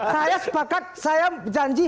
saya sepakat saya janji